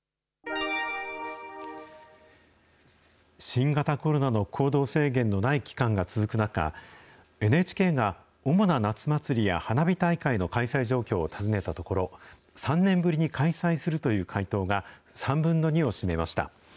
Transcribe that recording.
新型コロナの行動制限のない期間が続く中、ＮＨＫが主な夏祭りや花火大会の開催状況を尋ねたところ、３年ぶりに開催するという回答が３分の２を占めました。